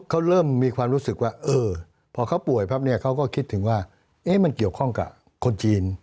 เขาเริ่มมีความรู้สึกว่าเออพอเขาป่วยปั๊บเนี่ยเขาก็คิดถึงว่ามันเกี่ยวข้องกับคนจีน